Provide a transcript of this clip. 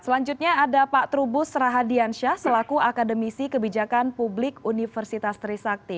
selanjutnya ada pak trubus rahadiansyah selaku akademisi kebijakan publik universitas trisakti